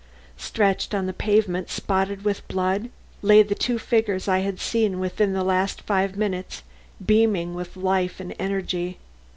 Stretched on the pavement, spotted with blood, lay the two figures I had seen within the last five minutes beaming with life and energy.